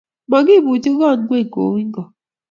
Makibuche kut ing’ony kou ing’ok